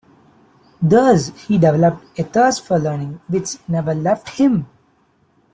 Thus he developed a thirst for learning which never left him.